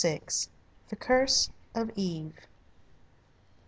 THE CURSE OF EVE.